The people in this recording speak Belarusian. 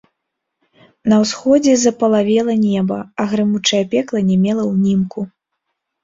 На ўсходзе запалавела неба, а грымучае пекла не мела ўнімку.